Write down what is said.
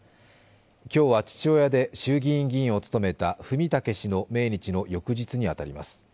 今日は父親で衆議院議員を務めた文武氏の命日の翌日に当たります。